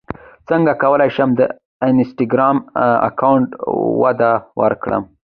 څنګه کولی شم د انسټاګرام اکاونټ وده ورکړم